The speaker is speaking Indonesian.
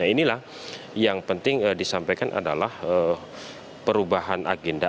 nah inilah yang penting disampaikan adalah perubahan agenda